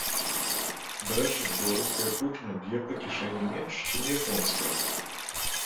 Дарэчы, беларуская кухня б'е па кішэні менш, чым японская.